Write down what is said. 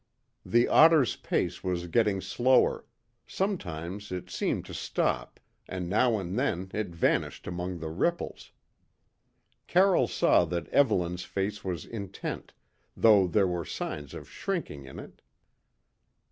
The otter's pace was getting slower; sometimes it seemed to stop, and now and then it vanished among the ripples. Carroll saw that Evelyn's face was intent, though there were signs of shrinking in it.